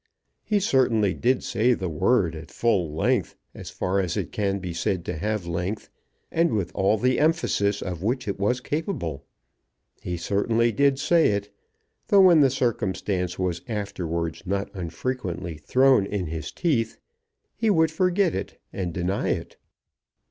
He certainly did say the word at full length, as far as it can be said to have length, and with all the emphasis of which it was capable. He certainly did say it, though when the circumstance was afterwards not unfrequently thrown in his teeth, he would forget it and deny it.